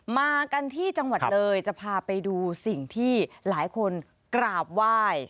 มากันที่จังหวัดเลยจะพาไปดูสิ่งที่หลายคนกราบไหว้